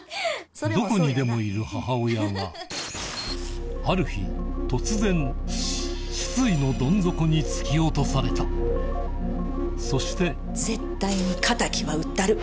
どこにでもいる母親がある日突然失意のどん底に突き落とされたそして絶対に仇は討ったる！